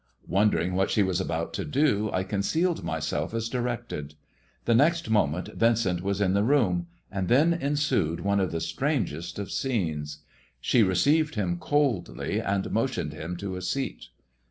Wondering what she was about to do, I concealed myself as directed. The next moment Vincent was in the room, and then ensued one of the strangest of scenes. She re ceived him coldly, and motioned him to a seat.